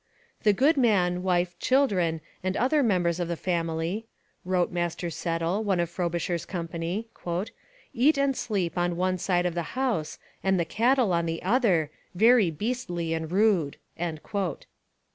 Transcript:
'The good man, wife, children, and other members of the family,' wrote Master Settle, one of Frobisher's company, 'eat and sleep on one side of the house and the cattle on the other, very beastly and rude.'